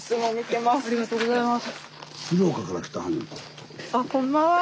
ありがとうございます。